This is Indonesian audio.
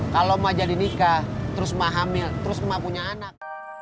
kalo emak jadi nikah terus emak hamil terus emak punya anak